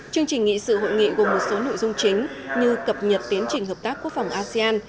chương trình nghị sự hội nghị gồm một số nội dung chính như cập nhật tiến trình hợp tác quốc phòng asean